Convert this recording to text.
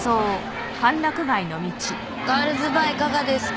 ガールズバーいかがですか？